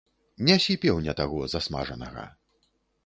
Нясі пеўня таго засмажанага.